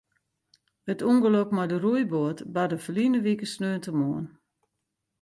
It ûngelok mei de roeiboat barde ferline wike sneontemoarn.